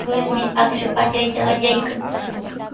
Luismi akshu allayta qallaykan.